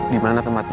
di mana tempatnya